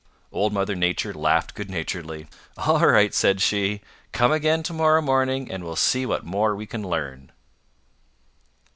Old Mother Nature laughed good naturedly. "All right," said she, "come again to morrow morning and we'll see what more we can learn."